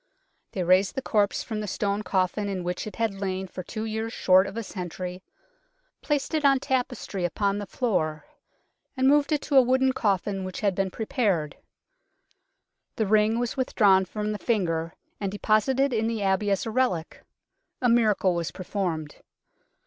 They raised the corpse from the stone coffin in which it had lain for two years short of a century, placed it on tapestry upon the floor, and moved it to a wooden coffin which had been prepared. The ring was with drawn from the finger and deposited in the Abbey as a relic. A miracle was performed.